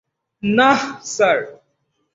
নাহ, স্যার।